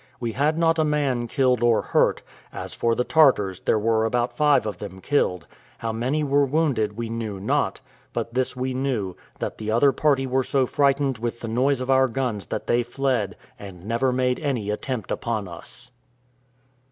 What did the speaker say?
We had not a man killed or hurt; as for the Tartars, there were about five of them killed how many were wounded we knew not; but this we knew, that the other party were so frightened with the noise of our guns that they fled, and never made any attempt upon us.